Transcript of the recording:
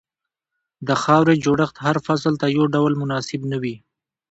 د خاورې جوړښت هر فصل ته یو ډول مناسب نه وي.